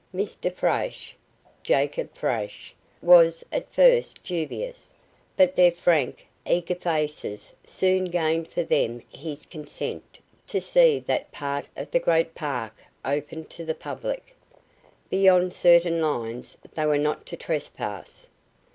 Mr. Fraasch Jacob Fraasch was at first dubious, but their frank, eager faces soon gained for them his consent to see that part of the great park open to the public. Beyond certain lines they were not to trespass.